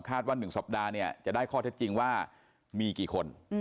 ว่า๑สัปดาห์เนี่ยจะได้ข้อเท็จจริงว่ามีกี่คน